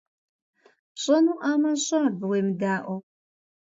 Пщӏэнуӏамэ, щӏэ, абы уемыдаӏуэу.